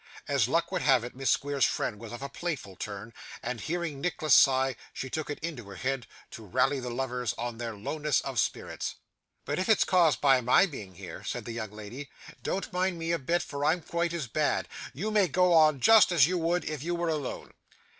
As luck would have it, Miss Squeers's friend was of a playful turn, and hearing Nicholas sigh, she took it into her head to rally the lovers on their lowness of spirits. 'But if it's caused by my being here,' said the young lady, 'don't mind me a bit, for I'm quite as bad. You may go on just as you would if you were alone.